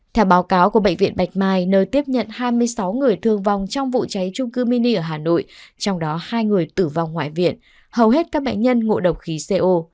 theo báo cáo của bệnh viện bạch mai nơi tiếp nhận hai mươi sáu người thương vong trong vụ cháy trung cư mini ở hà nội trong đó hai người tử vong ngoại viện hầu hết các bệnh nhân ngộ độc khí co